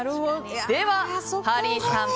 ではハリーさん